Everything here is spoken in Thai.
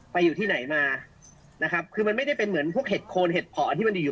อยู่ที่ไหนมานะครับคือมันไม่ได้เป็นเหมือนพวกเห็ดโคนเห็ดเพาะที่มันดีอยู่